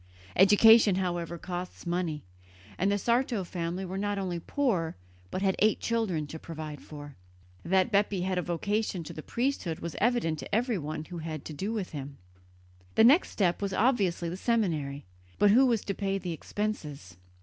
Education, however, costs money; and the Sarto family were not only poor, but had eight children to provide for. That Bepi had a vocation to the priesthood was evident to everyone who had had to do with him. The next step was obviously the seminary; but who was to pay the expenses?